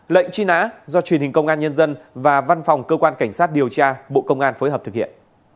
lệnh truy nã do truyền hình công an nhân dân và văn phòng cơ quan cảnh sát điều tra bộ công an phối hợp thực hiện